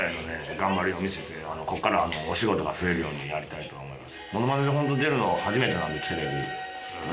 頑張りを見せてこっからはお仕事が増えるようにやりたいと思います。